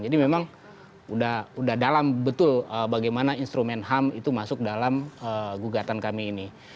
jadi memang udah dalam betul bagaimana instrumen ham itu masuk dalam gugatan kami ini